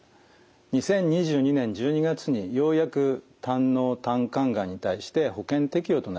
２０２２年１２月にようやく胆のう・胆管がんに対して保険適用となりました。